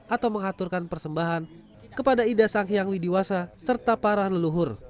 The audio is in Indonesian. atau mengaturkan persembahan kepada idah sanghi yang widiwasa serta para leluhur